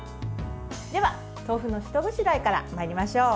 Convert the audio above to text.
では豆腐の下ごしらえからまいりましょう。